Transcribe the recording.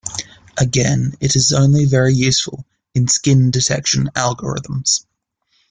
Again, it is only very useful in skin detection algorithms.